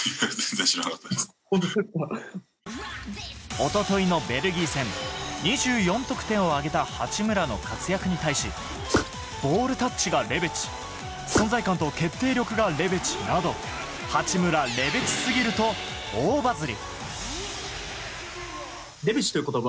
一昨日のベルギー戦、２４得点を挙げた八村の活躍に対し、ボールタッチがレベチ、存在感と決定力がレベチなど、八村レベチすぎると大バズり。